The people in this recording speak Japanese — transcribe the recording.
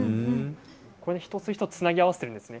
一つ一つをつなぎ合わせているんですね。